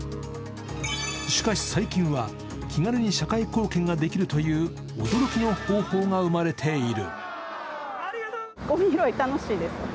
しかし、最近は気軽に社会貢献ができるという驚きの方法が生まれている。